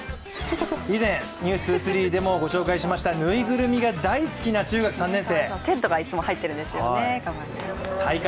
以前「ｎｅｗｓ２３」でもご紹介しました、ぬいぐるみが大好きな中学３年生。